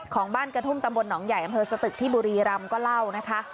ของบ้านกระทุ่มตำบลหนองใหญ่อำเภอสตึกที่บุรีรำก็เล่านะคะ